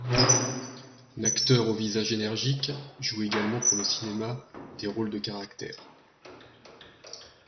L'acteur au visage énergique joue également pour le cinéma des rôles de caractère.